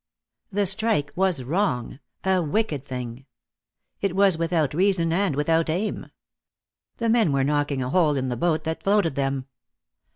The strike was wrong, a wicked thing. It was without reason and without aim. The men were knocking a hole in the boat that floated them.